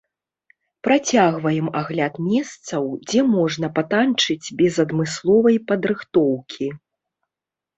Працягваем агляд месцаў, дзе можна патанчыць без адмысловай падрыхтоўкі.